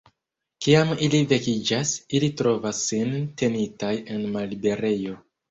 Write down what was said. Kiam ili vekiĝas, ili trovas sin tenitaj en malliberejo.